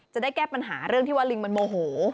จะได้แก้ปัญหาเรื่องที่ว่าลิงมันโมโห